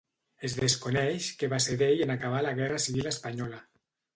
Es desconeix què va ser d'ell en acabar la Guerra Civil Espanyola.